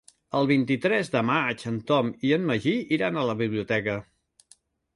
El vint-i-tres de maig en Tom i en Magí iran a la biblioteca.